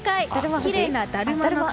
きれいなだるまの形。